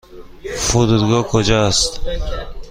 فرودگاه کجا است؟